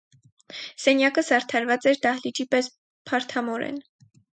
Սենյակը զարդարված էր, դահլիճի պես, փարթամորեն: